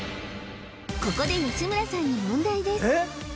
ここで吉村さんに問題です